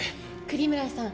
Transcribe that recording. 栗村さん